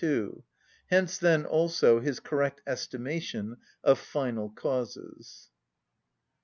2). Hence then, also his correct estimation of final causes.